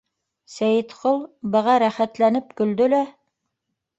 Сәйетҡол быға рәхәтләнеп көлдө лә: